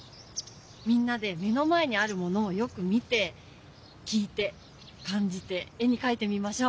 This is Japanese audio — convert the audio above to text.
みんなで目の前にあるものをよく見て聞いて感じて絵にかいてみましょう。